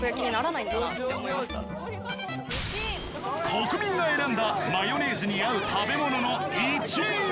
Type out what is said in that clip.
国民が選んだマヨネーズに合う食べ物の１位は？